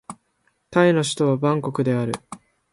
タイの首都はバンコクである